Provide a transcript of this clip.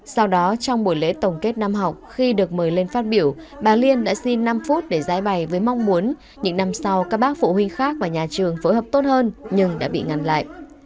sau đó trong buổi lễ tổng kết năm học khi được mời lên phát biểu bà liên đã xin năm phút để giải bài với mong muốn những năm sau các bác phụ huynh khác và nhà trường phối hợp tốt hơn nhưng đã bị ngăn lại